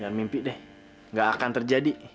mimpi deh gak akan terjadi